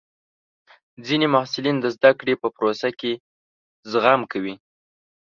ځینې محصلین د زده کړې په پروسه کې زغم کوي.